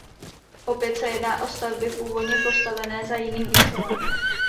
Opět se jedná o stavby původně postavené za jiným účelem.